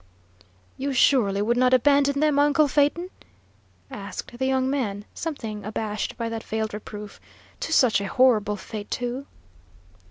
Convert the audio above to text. "You surely would not abandon them, uncle Phaeton?" asked the young man, something abashed by that veiled reproof. "To such a horrible fate, too?"